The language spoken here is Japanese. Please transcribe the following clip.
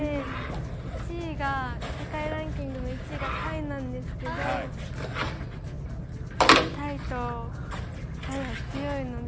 世界ランキング１位がタイなんですけどタイは強いので。